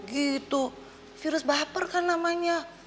gitu virus baper kan namanya